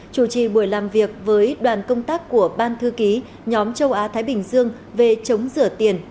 chủ trì buổi làm việc với đoàn công tác của ban thư ký nhóm châu á thái bình dương về chống rửa tiền